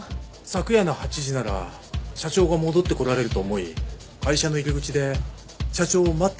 昨夜の８時なら社長が戻ってこられると思い会社の入り口で社長を待っておりました。